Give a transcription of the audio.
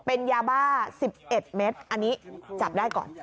เป็นยาบ้า๑๑เมตรอันนี้จับได้ก่อน